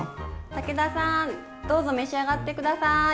武田さんどうぞ召し上がって下さい！